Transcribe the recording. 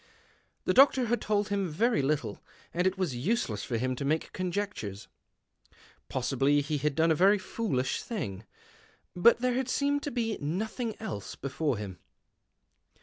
The doctor had told him very little, and it was useless for him to make conjectures. Possibly he had done a very foolish thing, but there had seemed to be nothing else before him.